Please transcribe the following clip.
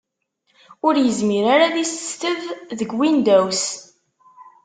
Ur yezmir ara ad isesteb deg Windows.